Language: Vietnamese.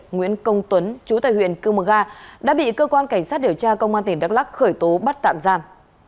nguyễn công tuấn chú tại huyện cư mờ ga đã bị cơ quan cảnh sát điều tra công an tỉnh đắk lắc khởi tố bắt tạm giam